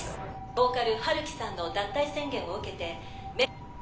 ボーカル陽樹さんの脱退宣言を受けて。